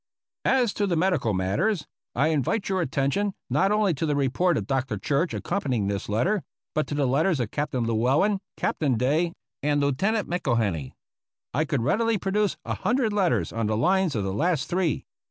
As to the medical matters, I invite your attention, not only to the report of Dr. Church accompanying this letter, but to the letters of Captain Llewellen, Captain Day, and Lieutenant Mcllhenny. I could readily produce a hun dred letters on the lines of the last three.